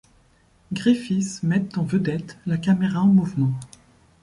Griffith mettent en vedette la caméra en mouvement.